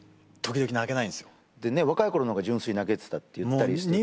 うんうん若いころの方が純粋に泣けてたって言ったりしてたね